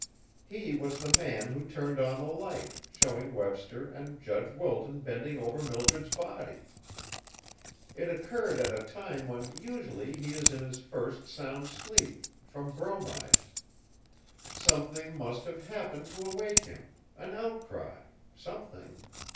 "He was the man who turned on the light, showing Webster and Judge Wilton bending over Mildred's body. It occurred at a time when usually he is in his first sound sleep from bromides. Something must have happened to awake him, an outcry, something.